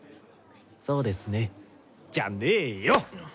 そうですねじゃねよ。